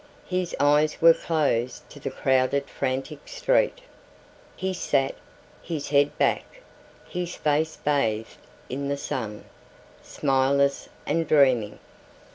His eyes were closed to the crowded frantic street. He sat, his head back, his face bathed in the sun, smileless and dreaming.